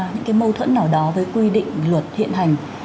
những cái mâu thuẫn nào đó với quy định luật hiện hành